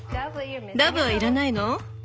ダブは要らないの？